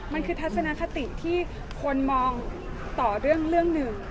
มันคือทัศนคติที่คนมองต่อเรื่องหนึ่ง